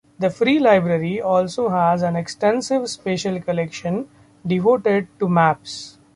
The Free Library also has an extensive special collection devoted to maps.